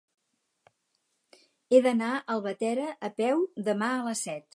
He d'anar a Albatera a peu demà a les set.